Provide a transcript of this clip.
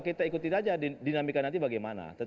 kita ikutin aja dinamika nanti bagaimana